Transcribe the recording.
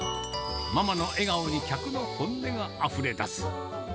ママの笑顔に客の本音があふれ出す。